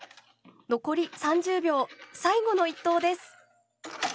残り３０秒最後の１投です。